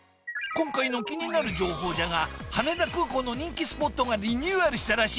今回の気になる情報じゃが羽田空港の人気スポットがリニューアルしたらしい！